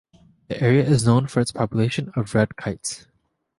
The area is known for its population of red kites.